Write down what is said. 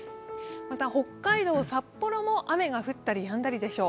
また、北海道札幌も雨が降ったりやんだりでしょう。